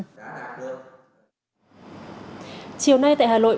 chiều nay tại hà nội